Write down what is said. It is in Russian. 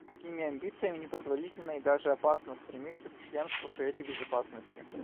С такими амбициями непозволительно и даже опасно стремиться к членству в Совете Безопасности.